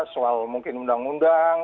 soal mungkin undang undang